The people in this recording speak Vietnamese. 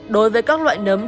đối với các loại nấm trôi nốt